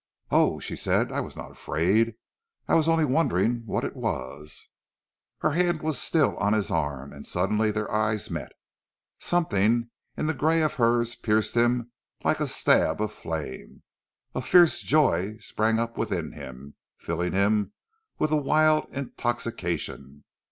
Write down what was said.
"Oh," she said, "I am not afraid, I was only wondering what it was." Her hand was still on his arm, and suddenly their eyes met. Something in the grey of hers pierced him like a stab of flame. A fierce joy sprang up within him, filling him with a wild intoxication.